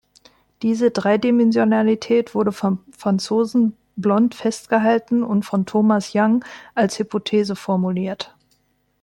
Diese Dreidimensionalität wurde vom Franzosen Blonde festgehalten und von Thomas Young als Hypothese formuliert.